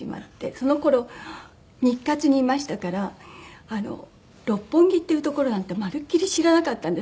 その頃日活にいましたから六本木っていう所なんてまるっきり知らなかったんです。